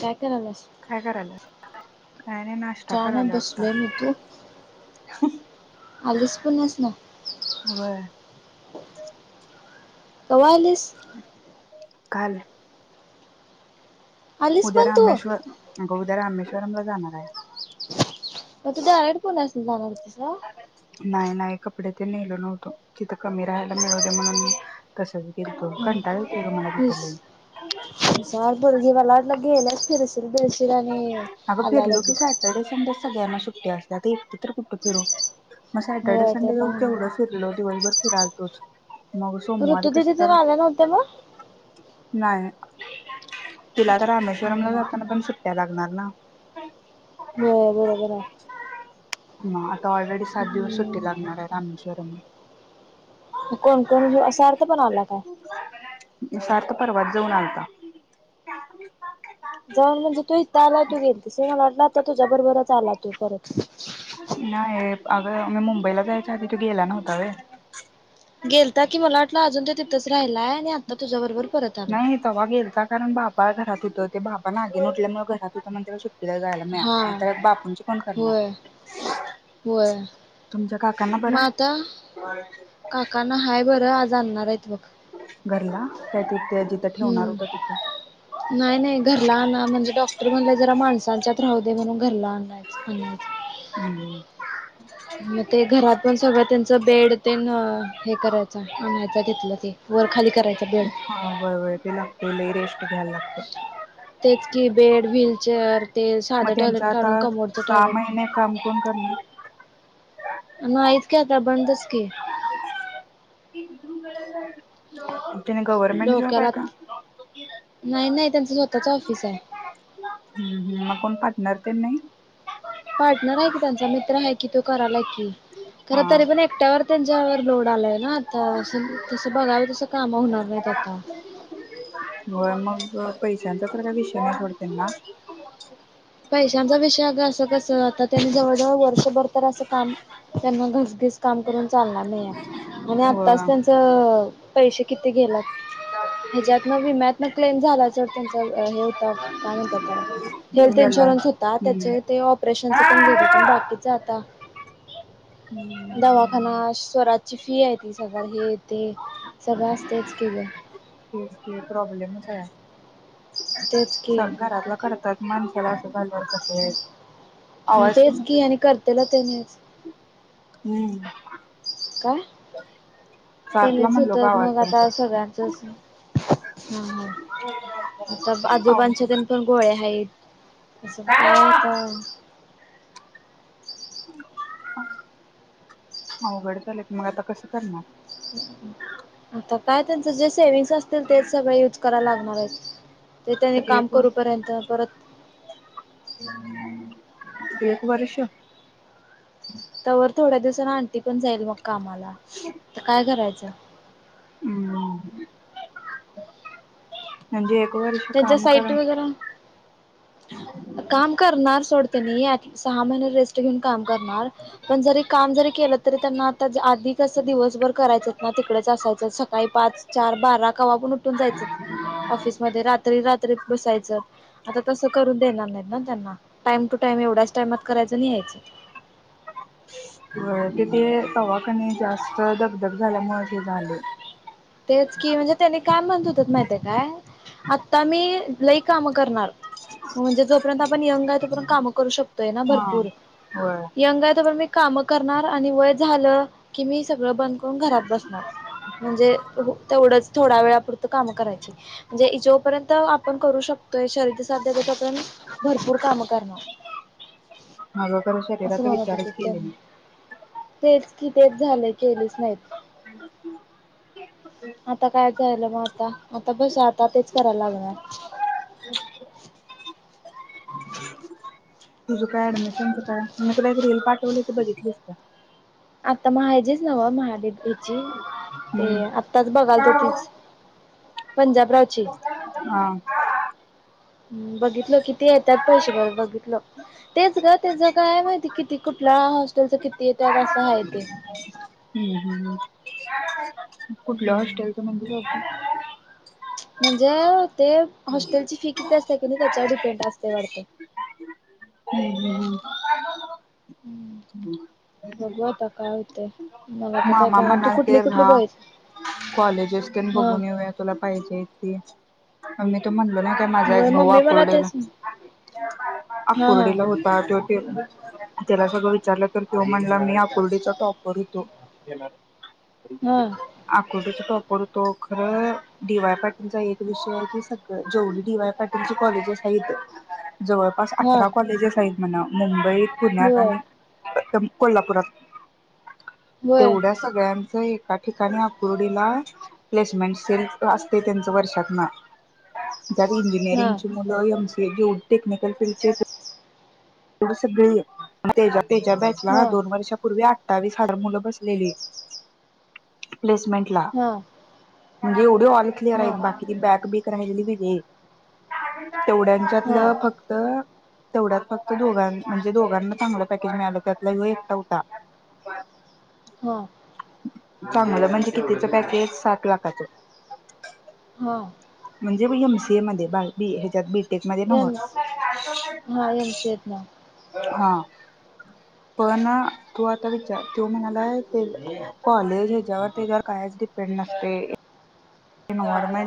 काय करायलास काय करायला काय नाही नाश्ता नाही करायला आता बसलोय मी तू आलीस पण आहेस ना होय कवा येतेस? हम् काल आलीस उद्या पण तू रामेश्वर ग उद्या रामेश्वरम ला जाणार आहे मग तू डायरेक्ट [inaudible] नाही नाही कपडे ते नेलो नव्हतो तिथं कमी राहायला मिळवते म्हणून तसच गेलतो हा कंटाळ येतोय ग मला तिथं लई सारपर जेवा लाड लागेल [unintelligible] फ सर ब [unintelligible] र आणि अगं अलाला फिरलो की दि [unintelligible] सॅटर्डे संडे सगळ्यांना सुट्ट्या असतात एकट तर कुठं फिरू. मग सॅटरडे होय ते संडे ये पण केवढं फिरलं दिवसभर राजगोर ऋतु दीदी तेन आलनव्हतं का? नाही तुला तर रामेश्वरमला जाताना पण लागणार ना. होय बरोबर आहे. म आता ऑलरेडी सात दिवस सुट्टी हम्म लागणार आहे. रामेश्वरम कोण कोण असा सार्थ पण आला काय सार्थ परवाच जाऊन आलता. जाऊन म्हणजे तु ला तू गेलतीस‌ होय मला वाटला तर तो तुझ्याबरच आला तो परत [unintelligible] [inaudible] ह नाही अग मी मुंबईला जायच्या आधी तो गेला नव्हता वय गेलता की मला वाटलं अजून तिथंच राहिलाय आणि आता तुझ्याबरोबर नाही तेव्हा गेलता कारण बापु घरात होतं ते बाबा नागिन उटल्यामुळे घरात होतीत म्हणून जायला हा मिळाल तर बापूंची कोण होय करणार होय तुमच्या काकांना मग आता बराय काकांना आज आणणार आहेत बघ ह [inaudible] हम् तिथं. नाही नाही घरला आण म्हणजे डॉक्टर म्हणले जरा माणसांच्यात राहूदेत. ते म्हणून घरला आणय आणायच. हम् [inaudible] मग ते घरात पण सगळं तेंचं बेड तेन हे करायच आनायचा हाय तिथलं ते वर खाली करायचा बेड हा व्हय व्हय ते लागतंय लय रेस्ट घ्यायला लागतंय. तेच कि बेड व्हीलचेअर ते मग साधं त्यांच टॉयलेट आता काढून कमोडचं सहा टॉयलेट महिने काम कोण करणार नाहीच कि आता बंदच की एक [inaudible] डोक्याला नाही नाही त्यांचं स्वतःच ऑफिस आहे. हम्म हम्म [inaudible] पार्टनर आहे कि त्यांचा मित्र आहे कि तो करालाय की खर हा तरी पण एकट्यावर तेंच्यावर लोड आलाय ना आता तसं बघावे तस काम होणार नाहीत आता व्हय मग पैशांचा तर काय विषय नाही सोडते तेना पैशांचा विषय अग असं कस आता त्यांनी जवळ जवळ वर्षभर तर अस काम त्यांना घरचच काम करून चालणार नाही आता आणि होय आत्ताच त्यांचं पैसे किती गेलात ह्याच्यातन विम्यातन क्लेम झाला च त्यांच हे होता काय म्हणत त्याला हेल्थ याला इन्शुरन्स होता हम्म. त्याचे ते ऑपरेशनच गेले पण बाकीच आता दवाखाना हम्म. स्वराजची फी आहे तीस हजार हे ते सगळं असतेच किग ते प्रॉब्लेमच हाय तेच की स घरातलं करतात. [inaudible] [inaudible] आवाज तेच कमी की कर. आणि करतेल तेनीच हम्म काय? सार्थला त्यानीच म्हणलो होत ग आवाज मग कमी कर. आता सगळ्यांच हम् हम त्यात अव आजोबांच्या तेन पण गोळे हाईत. स काय तर अघड झालंय की मग आता कसं करणार आता काय त्यांचं जे सेविंग्स असतील तेच सगळे युज कराला लागणार आहेत. ते त्यांनी तर काम एक करूपर्यंत परत एक वर्ष तवर थोड्या दिवस आण पण जाईल मग कामाला तर काय करायचं [inaudible] वर्ष त्यांच्या काम करा. साईट वगैर काम करणार सोड तेनी सहा महिने रे काम करणार पण जरी काम जरी केलं तरी त्यांना आ आधी कस दिवसभर करायचं ना तिकडेच असायचं सकाळी पाच चार बारा कवापन उठून जायचं ऑफिस रात्री रात्री बसायच आता तस करून देणार नाहीत ना त्यांना टाइम टू टाइम एवढ्याच टाइमात करायच यायचं. तिथे तवाखाने जास्त धगधग झाल्यामुळेच हे झाले. तेच की म्हणजे, त्यानी काय म्हणत होत माहित आहे काय. आता मी लई काम करणार. म्हणजे जोपर्यंत आपण यंग आहे. तोपर्यंत काम करू शको तैना हा भरपूर होय यंग आहे तोपर्यंत मी काम करणार आणि वय झालं की मी स सगळं बंद करून घरात बसणार. म्हणजे तेवढंच थोड्या वेळापुरतं काम करायची, जे जोपर्यंत. त आपण करू शकतो. त शरीती साध्या त्याच्या आपण भरपूर काम करणार. माझा तर असं शरीराचा म्हणत होते, विचारच तर केले त्यांनी नाही. तेच कि तेच झाले केलेच नाहीत. आता काय झायलं मग आता आता बस आता तेच करायलागनार. [unintelligible] तुझं काय ऍडमिशनच काय, मी तुला एक रिल पाठवली त बघितलीस का. आता माझेच नवमा हेचि ते हम्म आत्ताच बघाल तो तिच हा ह् बघितलं कि, ते येतात पैशे बर बघितलं तेच ग! त्याच काय माहिती किती कुठल्या हॉस्टेलच कि [inaudible] हम हम. [unintelligible] कुठलं हॉस्टेलच हम्म, म्हणजे. जे ते हॉस्टेल ची फी किती असते, की नाही त्याच्यावर डिपेंड असतय वाटतं. [inaudible] बघू आता काय होतंय. मला तर काय मामा कळना तू म्हणाल ते कुठली कुठली राहा कॉलेजेस तेन हा बघून येऊया तुला पाहिजे तेच [unintelligible] म्हणलो नाही काय माझा होय एक भाऊ मम्मी मला आकुर्डीला तेच अ हा हा कुर्डीला होता त्यो त्याला सगळं विचारलं तर तो म्हणला मी आकुर्डीचा टॉपर होतो. हा [unintelligible] तो खर डी वाय पाटीलचा एक विषय आहे की सगळं जेवढी डीवाय पाटीलचे कॉलेजेस आहे इथ जवळ हा अठरा कॉलेजेस आहेत म्हणा मुंबई पुण्यात होय आणि कोल्हापुरात. होय तेवढ्या सगळ्यां एका ठिकाणी आकुर्डीला प्लेसमेंट सेल असते त्यांच वर्षातन त्यात हा इंजिनिअरिंगची मुलं एमसीए ते घेऊन टेक्निकल फील्ड मध्ये च [inaudible] त्याच्या बॅचला ह हा दोन वर्षापूर्वी आठ अठ्ठावीस हजार मुलं बसलेली. प्लेसमेंट ला हा म्हणजे एवढे ऑल क्लिअर हा आहेत बाकी बॅक ब राहिलेली वेगळी. हा तेवढ्यांच्यातलं फक्त तेवढा फक्त दोघां म्हणजे दोघांना चांगलं पॅकेज मिळालं त्यातला हे एकटा होता. हा. चांगलं म्हणजे कितीच पॅकेज सात लाखाचं. हा. म्हणजे एमसीए मध्ये बा ह्याच्यात बीट एक म न एम हा एम सी आहेत ना. हा. पण तू आता विचार तू म्हणालाय कॉलेज ह्याच्यावर त्याच्यावर कायच डिपेंड नसत. ॉर्मे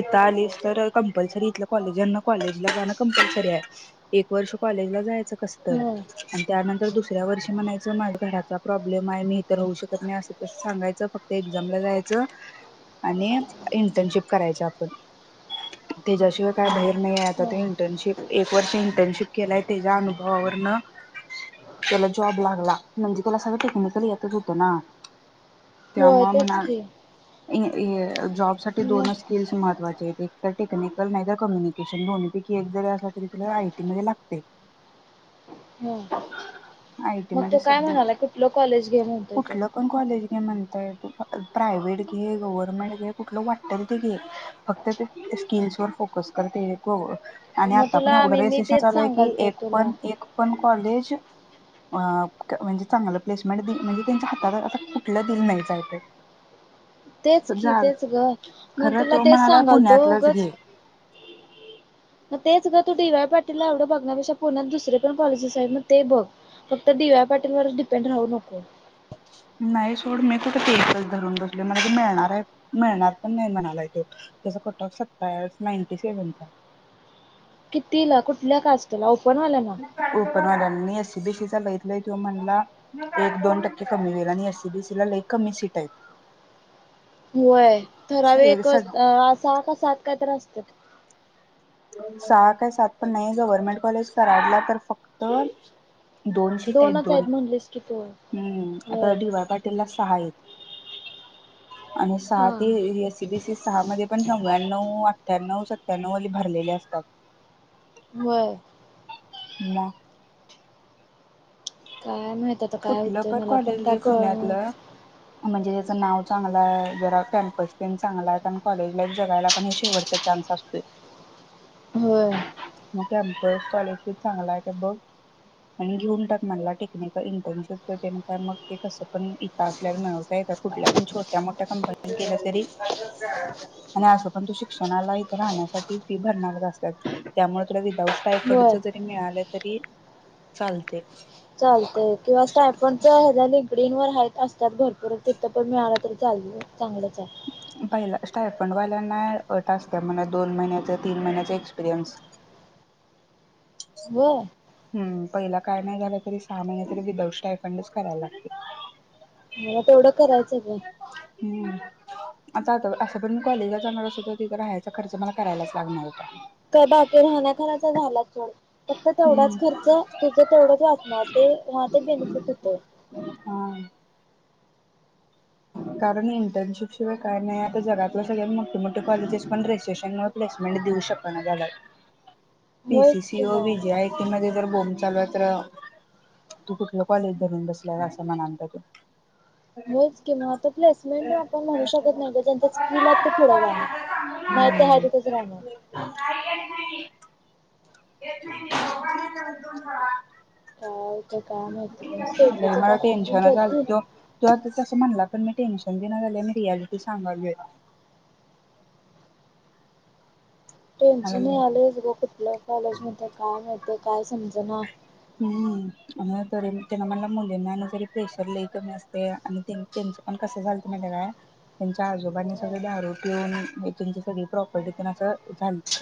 इता आलीस तर कंपल्सरी इथ कॉलेजना कॉलेजला जाणं कंपल्सरी आहे एक वर्ष कॉलेजला जायचं कसत हम्म आणि त्यानंतर दुसऱ्या वर्षी म्हणायचं माझ्या घराचा प्रॉब्लेम आहे मी इ तरर होऊ शकत नाही असं सांगायचं फक्त एक्झामला जायचं आणि इंटर्नशिप करायची आपण त्याच्याशिवाय काय बार. आणि आता त हम्म इंटर्नशिप एक वर्ष इंटर्नशिप केलाय त्याच्या अनुभवावरन त्याला जॉब लागला म्हणजे त्याला सगळं टेक्निकल येतच होतं ना. हो तेच की. इ जॉब सा मग दोनच स्किल्स महत्वाचे आहेत. एक तर टेक्निकल नाही तर कम्युनिकेशन दोन पैकी जरी अस तरी तुला आयटी मध्ये लागत. हम्म मग तो काय म्हणाला कुठल कॉलेज घे म्हणतोय तो ते म्हणताय तू प्रायव्हेट घे, गव्हर्नमेंट घे कुठलं वाटतल ते घे फक्त ते स्किल्स वर फोकस करते आणि मग आता पण तुला एवढं मी र मी सेशन तेच चालूय की सांगालतो एक तुला पण एक पण कॉलेज म्हणजे चांगलं प्लेसमेंट म्हणजे त्यांच्या हातात कुठलं दिलं नाहीच तेच कि तेच ग मग खरं तुला तो तेच म्हणाला सांगाल तो पुण्यातलंच उगच घे मग तेच ग तू डी वाय पाटीलला एवढं बघण्यापेक्षा पुण्यात दुसरे पण कॉलेजीस आहे मग ते बघ फक्त डी वाय पाटीलवरच डिपेंड राहू नको. नाही सोड मी तु तेस धरून बसले म्ह मिळणार आहे मिळणार पण नाही म्हणाला तो त्या कट ऑफ सत्ताय नाईनटी सेव्हनचा कितीला कुठल्या कास्टला ओप ओपन वाल्याना. ण ए सी बी सी चा लईत ल कि म्हणला एक दोन टक्के कमी होईल आणि एस सी बी सी ला लई कमी सीट आहेत. होय ठरावे एक असा का सात काय [inaudible] सहा काय सात पण नाही ग गव्हर्नमेंट कॉलेज कराडला तर फक्त दोन सीट आहेत दोनच दोन म्हणलीस की तू हम्म आता होय डी वाय पाटीलला सहा आहेत. आणि सहा हा ते ए सी बी सी सहा मध्ये पण नवव्याण्णव अठ्ठ्याण्णव त्यांनव भरलेले असतात. व्हय. ना. काय माहित आता काय कुठलं होतं मला पण कॉलेज काय घे कळण पुण्यातलं म्हणजे त्याचं नाव चांगलं आहे जरा कॅम्पस प चांगला आहे कारण कॉलेज लाईफ जगायला पण हे शेवटचा चान्स असतोय. होय. मगच स्कॉलरशिप चांगला आहे का बघ आणि घेऊन टक मला टेक्निकल इंटर्नशिपच ते का मग ते कस पण इथं असल्या मिळवता येतात कुठल्या पण छोट्या मोठ्या कंपनी केलं तरी आणि असं पण तो शिक्षणालाथ राहण्यासाठी फी भरणार असतात त्यामुळे तुला ववसायकडच होय जरी मिळालं तरी चालते. स्क्रीनवर त्यात भरपूरच तिथं पण मिळाल चालू चांगलं चा पहिला स्टायफंड व्हायला नाही टासत म्ह दोन महिन्याच, तीन महिन्याचा एक्सपिरियन्स व्हय. हम् पहिला काय नाही झालं तरी सहा महिने तरी विदाऊट स्टायफंडच करायला लागत. मला तेवढं करायचं गं. आ असं पण मी कॉलेजला जाणार असो तर तिथं राहायचा खर्च मला करायलाच लागणार होता. का बाकी राहण्याखाण्याचा झालाच. फक्त तेवढाच हम्म खर्च तुझं तेवढंच वाचणार ते ते बेनिफिट होत. हा कारण इंटर्नशिपशिवाय काय नाही आता जगातल्या सगळ्या मोठेमोठे कॉलेजेस पण रेजिस्ट्रेशनमुळे प्लेसमेंट देऊ शकना झाल्यात. पी स होयच सी ओ किंवा वी ज्याय क म इधर बॉमब चालू आहे तर तू कुठलं कॉलेज धरून बसला असं म्हण आणत त होयच किं त प्लेसमेंट आपण म्हणू शकत नाही जच्या स्किील आहेत ते पुढं जाणारं नाही ते ह हम्म तिथच राहण येत नाही तुम काय ते काय [inaudible] माहिती बाई स्टेफीचं मला काय फोन बिन टेन्शन केलती आल्ता आता तस म्हणलात पण मी टेनशन दि ना गले मी रियालिटी सांगा घ टेन्शन आले ग कुठल्या कॉलेजमध्ये काय मा काय समजना ह् त मुलींना जरी प्रेशर ल कमी असते आणि त्यांच पण कसं झालत म्हया त्यांच्या आजोबांनी हं, सगळ दारू पिऊन त्यांची सगळी प्रॉपर्टीत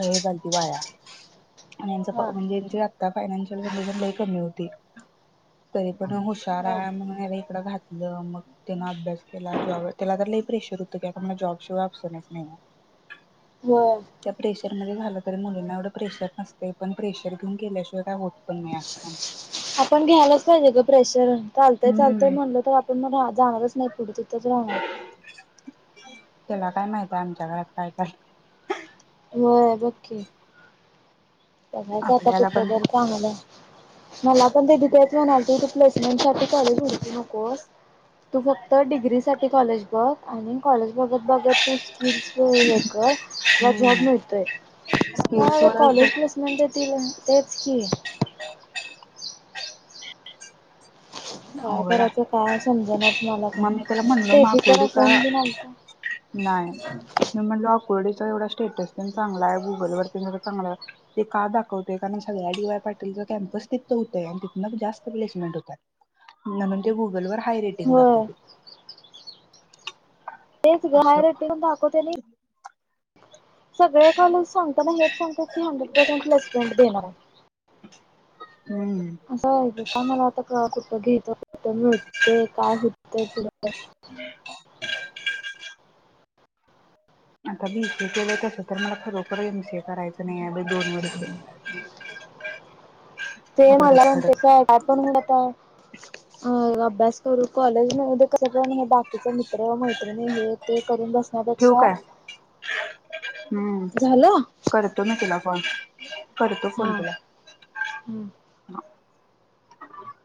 हेल वाया आणि हा म्हणजे आता फायनाशिल कमी होती तरी पण हुशार हा आहे म्हणून याला इकडं घातलं मग त्यान अभ्यास केला जॉब त्याला तर लई कमी होते प्रेशर होत क मला जॉब शिवाय ऑप्शनच नाही. हो लग्न झालं तरी मुलींना एवढं प्रेशर नसते पण प्रेशर घेऊन केल्याशिय काय होत पण नाही. ह आपण घ्यायलाच पाहिजे ग प्रेशर. चालतय चालतय हम्म. म्हणल तर आपण मग जाणारच नाही. पुढचथच राव [inaudible] त्याला काय माहित आहे आमच्या घरात काय काय व्हय बकी बघायचं आता आपल्याला पण कुठेतरी चांगल. मला पण दीदी तेच त्याच म्हणाल त ती प्लेसमेंट सा कॉलेज उडती नकोस तू फक्त डिग्रीसाठी ते कॉलेज बघ आणि कॉलेज बघत बघत तू स्किल्स हे कर तुला जॉब हम्म मिळतोय स्किल्स वरच कॉलेज मदती [inaudible] तेच की काय अवघड करायचं आहे काय समजनाच मला काय मग मी त्याला म्हणलो मग तेशिचा आकुर्डीचा फोन बिन आलता. आकुर्डी चा गुगल एवढा स्टेटस प चांगला आहे गुगल वर चांगलं आहे ते का दाखवतय कारण सगळ्या डी वाय पाटीलचा कॅम्पस तिथं होतंय आणि तिथून जास्त प्लेसमेंट होतात. म्हणून ते गुगल वर हा रेटिंग होय दाखवते. तेच असं घाहेर टेवून दाकवते नाही [inaudible] सगळे कॉलेज सांगताना हेच सांगत की हंड्रेड प्लेसमेंट देणार आहे हम्म. असं का मला आता घेतो नते काय होतं पुढे ते काय होते [inaudible] आता बीसीए केल तस तर मला खरोखर एम सी ए करायचं नाही आहे बाई ोनड [inaudible] ते मला म्हणते साहेब आपणही आता अ अभ्यास करू कॉलेज मध्ये कसं पण हे बाक तिच मित्र मैत्रिणी हे ते करून ठेवू बसण्यापेक्षा काय हम्म झालं करतो मी तुला [inaudible] करतो फोन हा तुला. हम्म